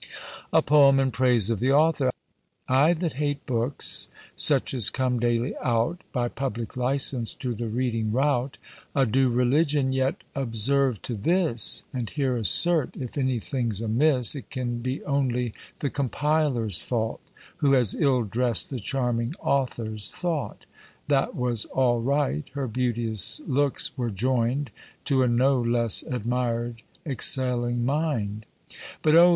A POEM IN PRAISE OF THE AUTHOR. I that hate books, such as come daily out By public license to the reading rout, A due religion yet observe to this; And here assert, if any thing's amiss, It can be only the compiler's fault, Who has ill drest the charming author's thought, That was all right: her beauteous looks were join'd To a no less admired excelling mind. But, oh!